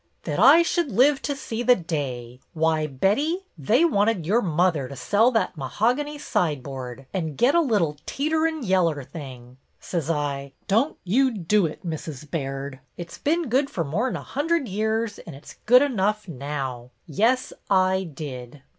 " That I should live to see the day ! Why, Betty, they wanted your mother to sell that mehogany sideboard and get a little, teeterin' yeller thing. S' I, ' Don't you do it, Mrs. Baird. It 's been good for more 'n a hunderd years, and it's good enough now.' Yes, I did."